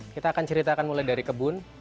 kita akan ceritakan mulai dari kebun